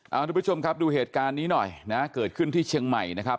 เอาทุกผู้ชมครับดูเหตุการณ์นี้หน่อยนะเกิดขึ้นที่เชียงใหม่นะครับ